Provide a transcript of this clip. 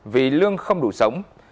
vì lương không đủ sống